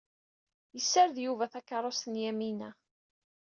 Yessared Yuba takerrust n Yamina.